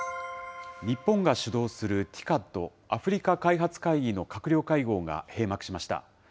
日本が主導するＴＩＣＡＤ・アフリカ開発会議の閣僚会合が、閉幕しました。